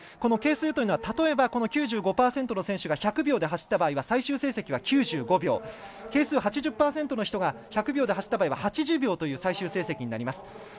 係数というのは例えば９５％の選手が１００秒で走った場合は最終成績が９５秒、係数８０％の人が１００秒で走った場合は８０秒という最終成績になります。